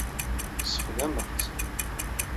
Sexdameɣ-tt.